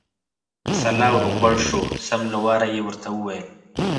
سلا او روغبړ شو، سم له واره یې ورته وویل.